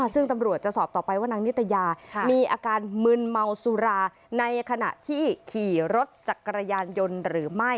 ซึ่งตำรวจจะสอบต่อไปว่านางนิตยามีอาการมึนเมาสุราในขณะที่ขี่รถจักรยานยนต์หรือไม่